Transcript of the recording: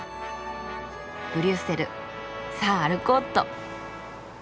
ブリュッセルさあ歩こうっと。